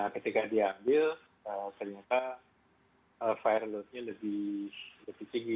ketika diambil ternyata viral loadnya lebih tinggi